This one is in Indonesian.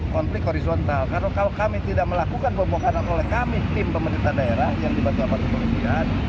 konflik horizontal karena kalau kami tidak melakukan pembongkaran oleh kami tim pemerintah daerah yang dibantu apartemen kepolisian